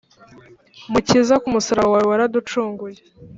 Mukiza ku musaraba wawe waraducunguye